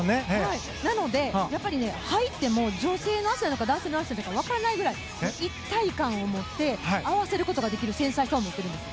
なので、やっぱり入っても女性の脚なのか男性の脚なのかわからないぐらい一体感を持って合わせることができる繊細さを持っているんです。